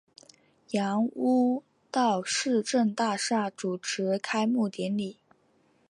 杨屋道市政大厦主持开幕典礼。